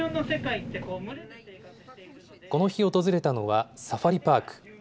この日、訪れたのはサファリパーク。